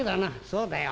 「そうだよ」。